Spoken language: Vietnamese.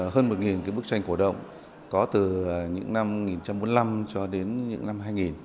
hơn một bức tranh cổ động có từ những năm một nghìn chín trăm bốn mươi năm cho đến những năm hai nghìn